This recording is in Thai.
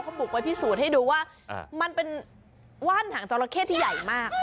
เขาปลูกไว้พิสูจน์ให้ดูว่ามันเป็นว่านหางจราเข้ที่ใหญ่มาก